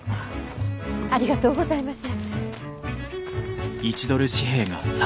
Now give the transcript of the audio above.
ありがとうございます。